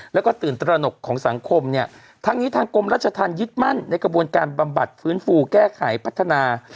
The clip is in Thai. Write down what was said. แล้วก็ตื่นตระหนกของสังคมเนี่ยทั้งนี้ทางกรมรัชธรรมยึดมั่นในกระบวนการบำบัดฟื้นฟูแก้ไขพัฒนา